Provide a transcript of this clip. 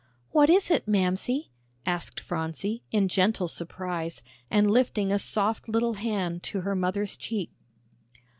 "What is it, Mamsie?" asked Phronsie, in gentle surprise, and lifting a soft little hand to her mother's cheek.